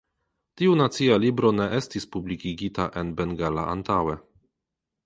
Tiu nacia libro ne estis publikigita en bengala antaŭe.